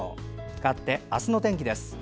かわって、明日の天気です。